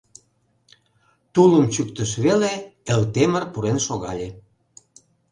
Тулым чӱктыш веле, Элтемыр пурен шогале.